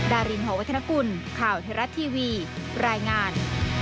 ดารินหอวัฒนกุลข่าวไทยรัฐทีวีรายงาน